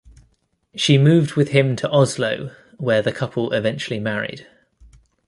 She moved with him to Oslo where the couple eventually married.